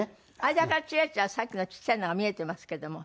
間からチラチラさっきのちっちゃいのが見えていますけども。